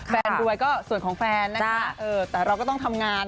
ฟนดูยส่วนของแฟนแต่เราก็ต้องทำงาน